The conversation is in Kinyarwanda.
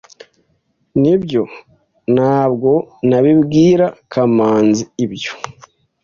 Nibyo, ntabwo nabibwira kamanzi ibyo.